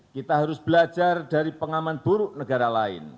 kita harus belajar dari pengaman buruk negara lain